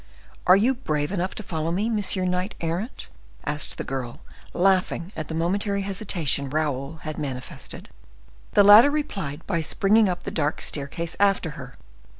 "Are you brave enough to follow me, monsieur knight errant?" asked the girl, laughing at the momentary hesitation Raoul had manifested. The latter replied by springing up the dark staircase after her.